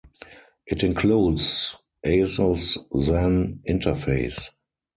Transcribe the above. It includes Asus Zen interface.